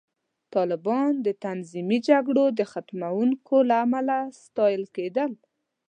طالبان د تنظیمي جګړو د ختموونکو له امله ستایل کېدل